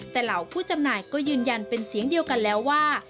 แต่เหล่าผู้จำหน่ายก็ยืนยันเป็นเสียงเดียวกันแล้วว่า